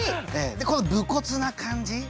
でこの武骨な感じ？